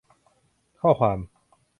ข้อความ